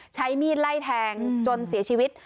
ใช้มีดไล่แทงจนเสียชีวิต